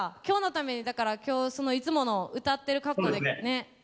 今日のためにだから今日そのいつもの歌ってる格好で。ね。